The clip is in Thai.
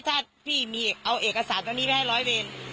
ถ้าพี่มีเอาเอกสารตรงนี้ไปให้ร้อยเวร